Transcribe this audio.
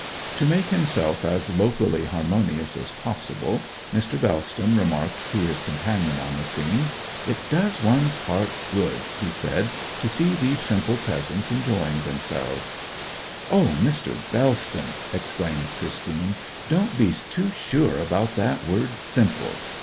To make himself as locally harmonious as possible, Mr. Bellston remarked to his companion on the scene 'It does one's heart good,' he said, 'to see these simple peasants enjoying themselves.' 'O Mr. Bellston!' exclaimed Christine; 'don't be too sure about that word "simple"!